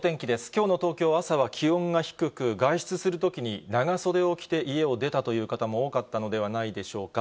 きょうの東京、朝は気温が低く、外出するときに長袖を着て家を出たという方も多かったのではないでしょうか。